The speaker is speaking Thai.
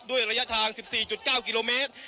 ด้วยระยะทาง๑๔๙กิโลเมตร